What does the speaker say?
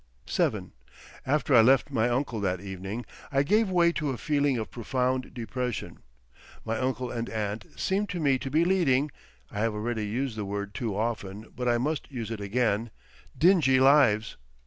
VII After I left my uncle that evening I gave way to a feeling of profound depression. My uncle and aunt seemed to me to be leading—I have already used the word too often, but I must use it again—dingy lives.